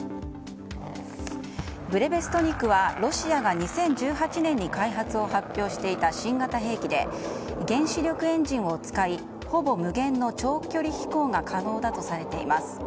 ブレベストニクはロシアが２０１８年に開発を発表していた新型兵器で原子力エンジンを使いほぼ無限の長距離飛行が可能だとされています。